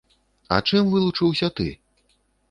А чым вылучыўся ты?